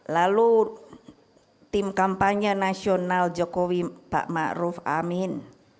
lalu tim kampanye nasional jokowi pak maruf amin